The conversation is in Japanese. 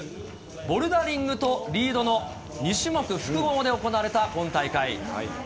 ボルダリングとリードの２種目複合で行われた今大会。